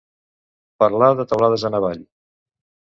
Parlar de teulades en avall.